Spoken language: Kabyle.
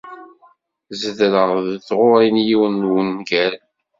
Zedreɣ deg tɣuri n yiwen n wungal.